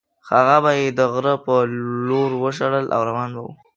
هغه به یې د غره په لور وشړل او روان به وو.